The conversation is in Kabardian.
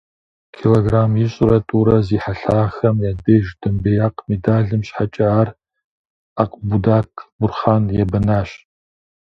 Килограмм ищӀрэ тӀурэ зи хьэлъагъхэм я деж домбеякъ медалым щхьэкӀэ ар Акбудак Бурхъан ебэнащ.